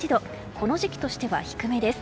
この時期としては低めです。